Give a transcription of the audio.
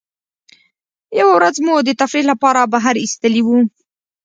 یوه ورځ مو د تفریح له پاره بهر ایستلي وو.